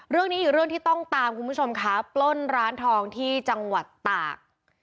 เรื่องนี้อีกเรื่องที่ต้องตามคุณผู้ชมค่ะปล้นร้านทองที่จังหวัดตาก